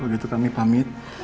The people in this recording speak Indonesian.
kalau gitu kami pamit